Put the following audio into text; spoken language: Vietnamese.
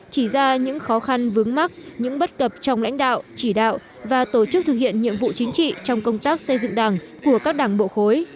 chỉ ra những khó khăn vướng mắc những bất cập trong lãnh đạo chỉ đạo và tổ chức thực hiện nhiệm vụ chính trị trong công tác xây dựng đảng của các đảng bộ khối